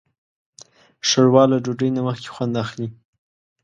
ښوروا له ډوډۍ نه مخکې خوند اخلي.